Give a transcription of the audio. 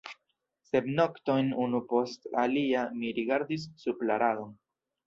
Sep noktojn unu post alia mi rigardis sub la radon.